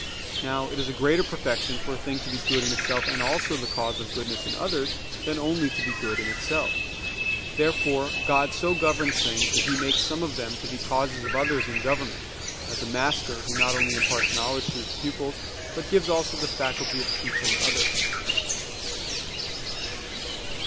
Now it is a greater perfection for a thing to be good in itself and also the cause of goodness in others, than only to be good in itself. Therefore God so governs things that He makes some of them to be causes of others in government; as a master, who not only imparts knowledge to his pupils, but gives also the faculty of teaching others.